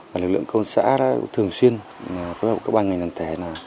và lực lượng công xã đã thường xuyên phối hợp các ban ngành đàn tẻ